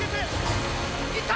いった！